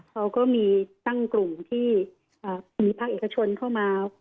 เขาก็มีตั้งกลุ่มที่มีภาคเอกชนเข้ามา